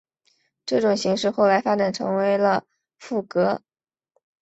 这种形式后来发展成为了赋格。